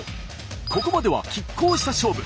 ここまでは拮抗した勝負。